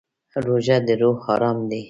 روژه د روح ارام دی.